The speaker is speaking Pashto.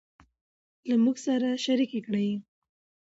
له موږ سره شريکې کړي